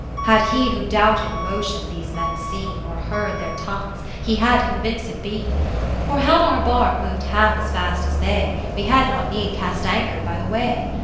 Had he who doubted Motion these men seen, Or heard their tongues, he had con vinced been. For had our Barque mov'd half as fast as they, We had not need cast Anchor by the way.